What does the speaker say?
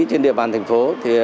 trên địa bàn thành phố